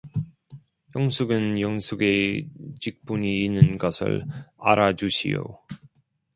영숙은 영숙의 직분이 있는 것을 알아 주시오.